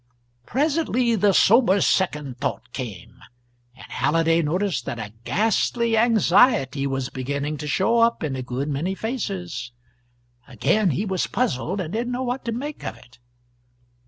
Presently the sober second thought came, and Halliday noticed that a ghastly anxiety was beginning to show up in a good many faces. Again he was puzzled, and didn't know what to make of it.